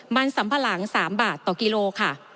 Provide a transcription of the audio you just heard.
มันสำผลัง๓บาทต่อกิโลค่ะ